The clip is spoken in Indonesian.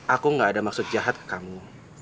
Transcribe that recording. aku gak ada maksud jahat ke kamu